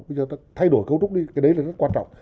bây giờ ta thay đổi cấu trúc đi cái đấy là rất quan trọng